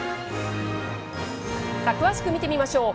詳しく見てみましょう。